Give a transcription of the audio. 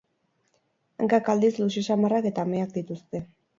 Hankak aldiz luze samarrak eta meheak dituzte.